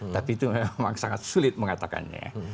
tapi itu memang sangat sulit mengatakannya